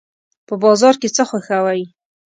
په بازار کې څه خوښوئ؟